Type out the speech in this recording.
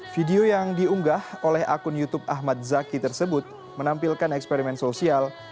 video yang diunggah oleh akun youtube ahmad zaki tersebut menampilkan eksperimen sosial